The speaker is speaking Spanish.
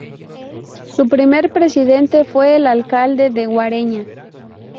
Su primer presidente fue el alcalde de Guareña.